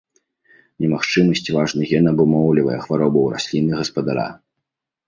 Немагчымасць важны ген абумоўлівае хваробу ў расліны-гаспадара.